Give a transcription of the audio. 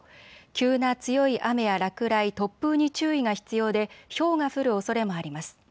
急な強い雨や落雷、突風に注意が必要でひょうが降るおそれもあります。